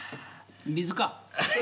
水か？